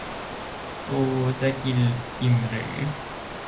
กูจะกินอิ่มหรือ